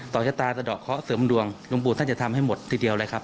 ชะตาสะดอกเคาะเสริมดวงหลวงปู่ท่านจะทำให้หมดทีเดียวเลยครับ